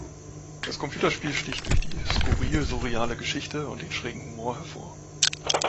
Das Computerspiel sticht durch die skurril-surreale Geschichte und den schrägen Humor hervor.